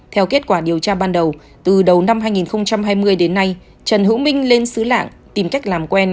theo kết quả điều tra ban đầu từ đầu năm hai nghìn hai mươi đến nay trần hữu minh lên xứ lạng tìm cách làm quen